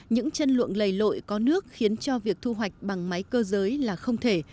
những chân ruộng lầy lội có nước khiến cho việc thu hoạch bằng máy cơ giới là không thể